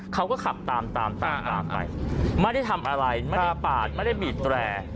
เขาก็ขับตามตามไปไม่ได้ทำอะไรไม่ได้ปาดไม่ได้บีดแตร